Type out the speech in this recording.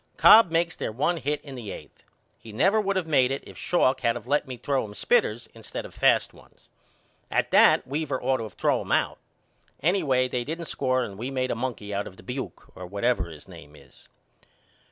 Cobb makes their one hit in the eighth. He never would of made it if Schalk had of let me throw him spitters instead of fast ones. At that Weaver ought to of threw him out. Anyway they didn't score and we made a monkey out of Dubuque, or whatever his name is.